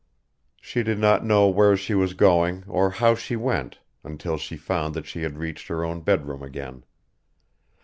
She did not know where she was going or how she went until she found that she had reached her own bedroom again.